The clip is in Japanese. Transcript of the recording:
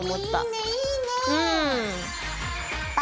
あっいいねいいね！